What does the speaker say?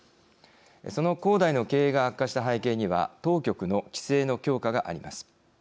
その恒大の経営が悪化した背景には当局の規制の強化があります。